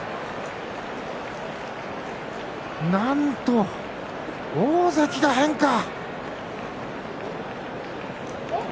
なんと大関が変化。